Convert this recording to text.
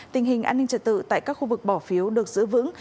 tình hình an ninh trật tự tại các khu vực bỏ phiếu được giữ vững